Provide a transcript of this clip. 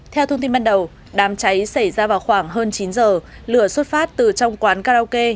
theo thông tin ban đầu đám cháy xảy ra vào khoảng hơn chín giờ lửa xuất phát từ trong quán karaoke